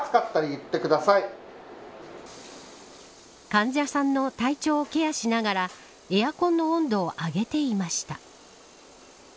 患者さんの体調をケアしながらエアコンの温度を上げていました。